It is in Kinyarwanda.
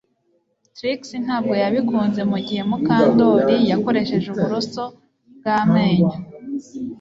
Trix ntabwo yabikunze mugihe Mukandoli yakoresheje uburoso bwamenyo